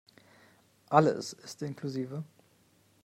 Alles ist inklusive.